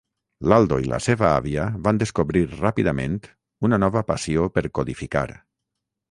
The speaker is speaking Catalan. L'Aldo i la seva àvia van descobrir ràpidament una nova passió per codificar.